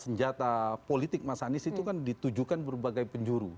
senjata politik mas anies itu kan ditujukan berbagai penjuru